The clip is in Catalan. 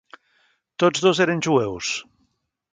Tots dos eren jueus.